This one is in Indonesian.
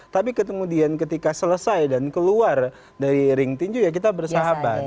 tapi kemudian ketika selesai dan keluar dari ring tinju ya kita bersahabat